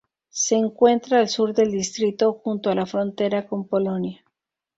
Se encuentra al sur del distrito, junto a la frontera con Polonia.